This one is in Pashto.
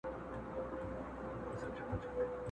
پر نرۍ لښته زنګېده، اخیر پرېشانه سوله!